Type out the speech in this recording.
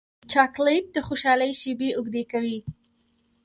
چاکلېټ د خوشحالۍ شېبې اوږدې کوي.